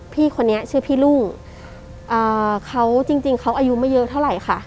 พี่คนนี้ชื่อพี่รุ่งเขาจริงจริงเขาอายุไม่เยอะเท่าไหร่ค่ะ